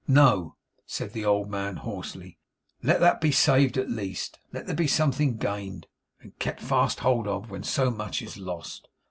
No,' said the old man, hoarsely, 'let that be saved at least; let there be something gained, and kept fast hold of, when so much is lost.